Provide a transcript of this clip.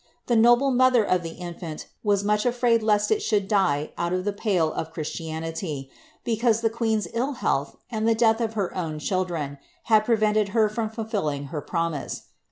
The noble mother of the in&nt was much afraid lest it should die out of the pale of Chris tianity, because the queen's ill health, and the death of her own children, liad prevented her from fulfilling her promise.